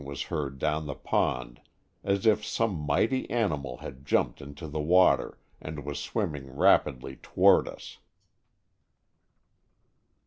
was heard down the pond as if some mighty animal had jumped into the water and was swimming rapidly to ward us.